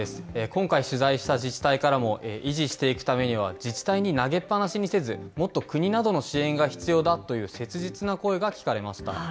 今回取材した自治体からも、維持していくためには、自治体に投げっぱなしにせず、もっと国などの支援が必要だという切実な声が聞かれました。